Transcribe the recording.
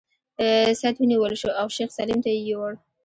سید ونیول شو او شیخ سلیم ته یې یووړ.